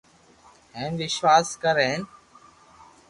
ھين وݾواس ڪر ھين